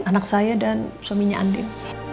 anak saya dan suaminya andin